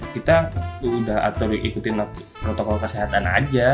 kita udah atur ikutin protokol kesehatan aja